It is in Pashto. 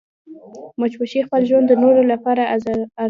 مچمچۍ خپل ژوند د نورو لپاره ارزوي